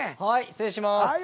はい失礼します。